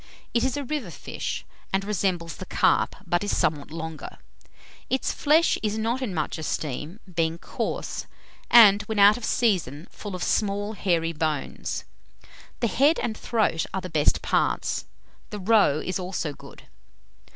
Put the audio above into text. It is a river fish, and resembles the carp, but is somewhat longer. Its flesh is not in much esteem, being coarse, and, when out of season, full of small hairy bones. The head and throat are the best parts. The roe is also good.